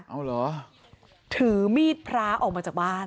เอาเหรอถือมีดพระออกมาจากบ้าน